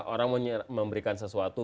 orang mau memberikan sesuatu